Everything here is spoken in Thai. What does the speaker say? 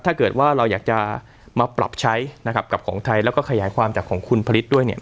ถ้าเกิดว่าเราอยากจะมาปรับใช้นะครับกับของไทยแล้วก็ขยายความจากของคุณผลิตด้วยเนี่ย